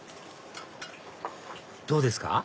どうですか？